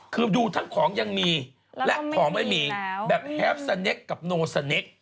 คือดูทั้งของยังมีและของไม่มีแบบแฮปสเนคกับโนสเนค